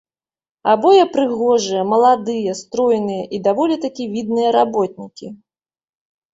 Абое прыгожыя, маладыя, стройныя, і даволі такі відныя работнікі.